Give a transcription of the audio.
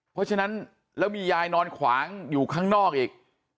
เพราะฉะนั้นแล้วมียายนอนขวางอยู่ข้างนอกอีก